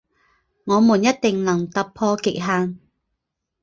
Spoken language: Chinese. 我们一定能突破极限